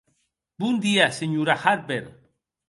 Bon dia, senhora Harper.